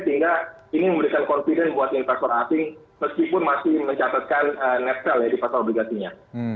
sehingga ini memberikan confidence buat investor asing meskipun masih mencatatkan net sale ya di pasar obligasinya